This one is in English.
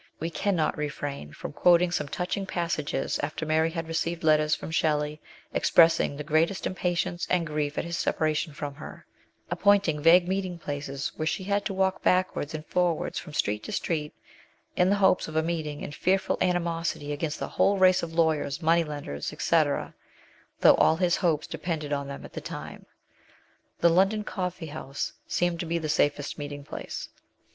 We cannot refrain from quoting some touching passages after Mary had received letters from Shelley expressing the greatest impatience and grief at his separation from her, appointing vague meetinglplaces where she had to walk backwards and forwards from street to street, in the hopes of: a meeting, and fearful animosity against the whole race of lawyers, money lenders, &c., though all his hopes depended on them at the time. The London Coffee House seemed to be the safest meeting place.